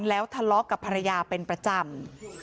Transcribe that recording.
แล้วทะเลาะกับภรรยาเป็นประจำ